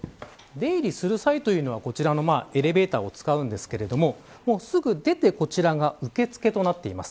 出入りする際というのはこちらのエレベーターを使うんですけれどもすぐ出て、こちらが受付となっています。